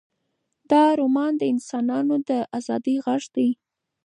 دا رومان د انسانانو د ازادۍ غږ دی.